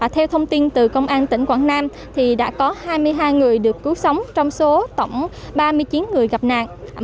theo thông tin từ công an tỉnh quảng nam đã có hai mươi hai người được cứu sống trong số tổng ba mươi chín người gặp nạn